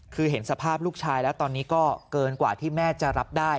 คือเห็นสภาพลูกชายแล้วตอนนี้ก็เกินกว่าที่แม่จะรับได้